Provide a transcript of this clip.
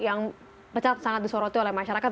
yang sangat disoroti oleh masyarakat